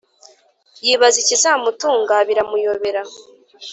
yibaza ikizamutunga biramuyobera